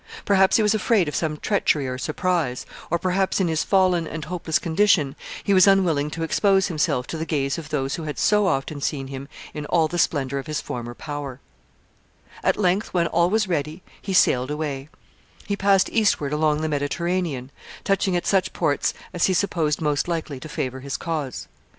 Perhaps he was afraid of some treachery or surprise, or perhaps, in his fallen and hopeless condition, he was unwilling to expose himself to the gaze of those who had so often seen him in all the splendor of his former power. [Sidenote: He sails along the Mediterranean.] [Sidenote: Pompey receives additional supplies.] At length, when all was ready, he sailed away. He passed eastward along the Mediterranean, touching at such ports as he supposed most likely to favor his cause.